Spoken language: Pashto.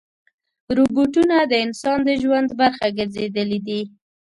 روبوټونه د انسان د ژوند برخه ګرځېدلي دي.